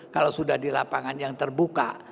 kalau sudah di lapangan yang terbuka